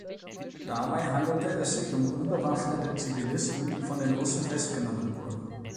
Dabei handelte es sich um unbewaffnete Zivilisten, die von den Russen festgenommen wurden.